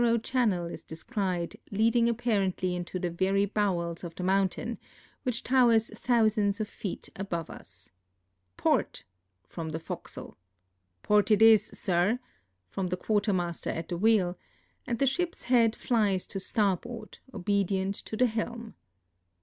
140 WINTER VOYAGE THROUGH STRAITS OF MAGELLAN channel is descried leading apparently into the very bowels of the mountain, wliicli towei's thousands of feet above us, " Port !" from the forecastle. " Port it is, sir !" from the quartermaster at the wheel, and the ship's head flies to starboard, obedient to the helm.